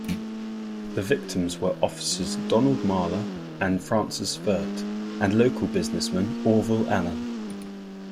The victims were officers Donald Marler and Francis Wirt and local businessman Orville Allen.